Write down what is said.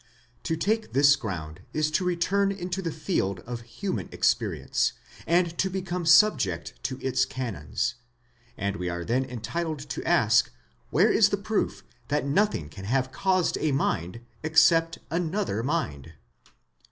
To take this ground is to return into the field of human experience, and to become subject to its canons, and we are then entitled to ask where is the proof that nothing can have caused a mind except another mind.